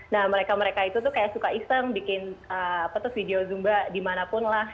nah mereka mereka itu tuh kayak suka iseng bikin video zumba dimanapun lah